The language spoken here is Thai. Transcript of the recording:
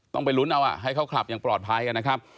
ต้องไปลุ้นเอาให้เขาขับอย่างปลอดภัยนะครับ